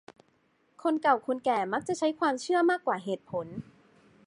คนเก่าคนแก่มักจะใช้ความเชื่อมากกว่าเหตุผล